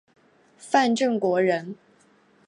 范正国人。